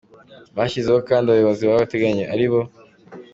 Bashyizeho kandi abayobozi b’agateganyo ari bo :